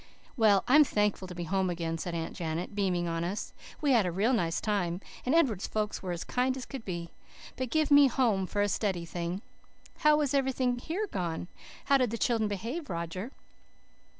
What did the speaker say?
"Well, I'm thankful to be home again," said Aunt Janet, beaming on us. "We had a real nice time, and Edward's folks were as kind as could be. But give me home for a steady thing. How has everything gone? How did the children behave, Roger?"